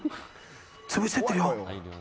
潰してってるよ。